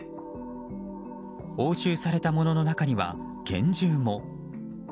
押収されたものの中には拳銃も。